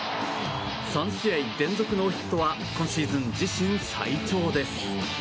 ３試合連続ノーヒットは今シーズン自身最長です。